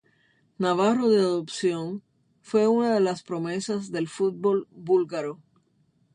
Navarro de adopción, fue una de las promesas del fútbol búlgaro.